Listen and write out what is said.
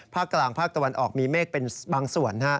ภาคกลางภาคตะวันออกมีเมฆเป็นบางส่วน